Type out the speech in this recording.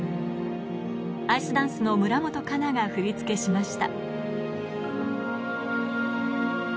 アイスダンスの村元哉中が振り付けしました